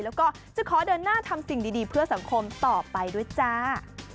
แล้วก็จะขอเดินหน้าทำสิ่งดีเพื่อสังคมต่อไปด้วยจ้า